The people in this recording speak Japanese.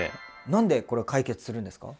何でこれ解決するんですか？